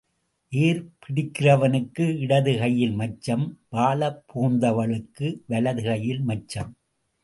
ஏர் பிடிக்கிறவனுக்கு இடது கையில் மச்சம் வாழப் புகுந்தவளுக்கு வலது கையில் மச்சம்.